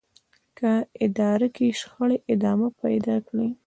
که اداره کې شخړې ادامه پيدا کړي.